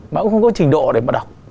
mà cũng không có trình độ để mà đọc